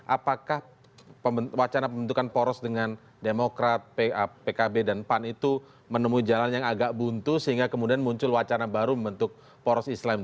apakah wacana pembentukan poros dengan demokrat pkb dan pan itu menemui jalan yang agak buntu sehingga kemudian muncul wacana baru membentuk poros islam